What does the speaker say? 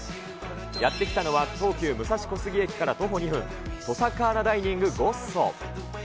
やって来たのは、東急武蔵小杉駅から徒歩２分、トサカーナダイニングゴッソ。